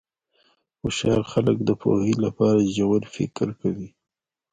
هوښیار خلک د پوهې لپاره ژور فکر کوي.